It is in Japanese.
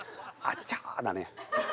あちゃだね。